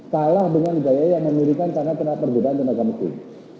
kalah dengan gaya yang memiringkan karena kena perguruan tenaga musim